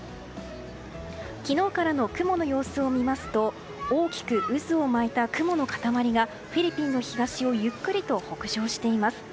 昨日からの雲の様子を見ますと大きく渦を巻いた雲の塊がフィリピンの東をゆっくりと北上しています。